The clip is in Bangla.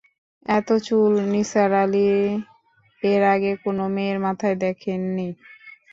এত চুল নিসার আলি এর আগে কোনো মেয়ের মাথায় দেখেন নি।